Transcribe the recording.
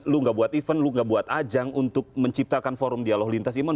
lu gak buat event lo gak buat ajang untuk menciptakan forum dialog lintas iman